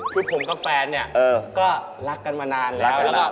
คือผมกับแฟนเนี่ยก็รักกันมานานแล้ว